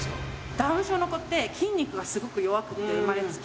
ダウン症の子って、筋肉がすごく弱くって、生まれつき。